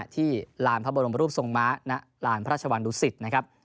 ที่หลานพระบรมรูปทรงม้าณหลานพระราชวรรณรุศิษฐ์นะครับ